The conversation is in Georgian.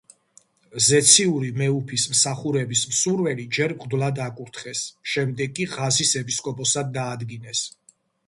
ზეციური მეუფის მსახურების მსურველი ჯერ მღვდლად აკურთხეს, შემდეგ კი ღაზის ეპისკოპოსად დაადგინეს.